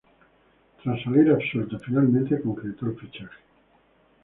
Tras salir absuelto finalmente concretó el fichaje.